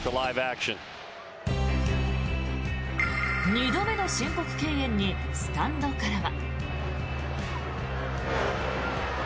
２度目の申告敬遠にスタンドからは。